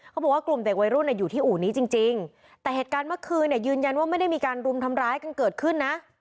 เขาบอกว่ากลุ่มเด็กวัยรุ่นอยู่ที่อู่นี้จริงแต่เหตุการณ์เมื่อคืนเนี่ยยืนยันว่าไม่ได้มีการรุมทำร้ายกันเกิดขึ้นนะ